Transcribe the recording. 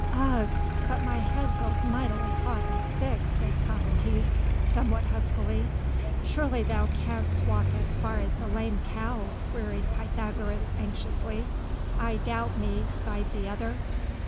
"Ugh! but my head feels mightily hot and thick," said Socrates, somewhat huskily. "Surely thou canst walk as far as the 'Lame Cow'?" queried Pythagoras, anxiously. "I doubt me," sighed the other.